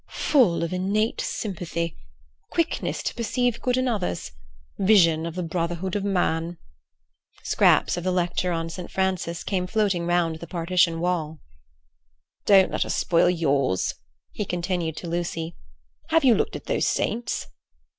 "...full of innate sympathy...quickness to perceive good in others...vision of the brotherhood of man..." Scraps of the lecture on St. Francis came floating round the partition wall. "Don't let us spoil yours," he continued to Lucy. "Have you looked at those saints?"